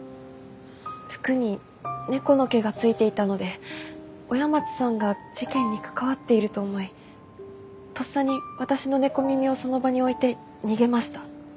服に猫の毛が付いていたので親松さんが事件に関わっていると思いとっさに私の猫耳をその場に置いて逃げました。